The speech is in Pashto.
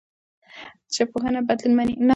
ژبپوهنه بدلون مني.